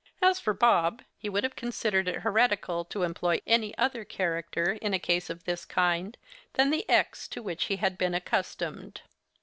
As for Bob, he would have considered it heretical to employ any other character, in a case of this kind, than the x to which he had been accustomed.